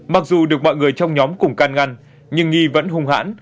mặc dù được mọi người trong nhóm cùng can ngăn nhưng nghi vẫn hung hãn